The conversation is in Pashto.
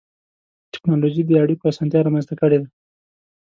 ټکنالوجي د اړیکو اسانتیا رامنځته کړې ده.